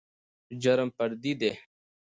جرم فردي دى.